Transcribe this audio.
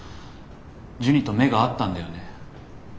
ジュニと目が合ったんだよね？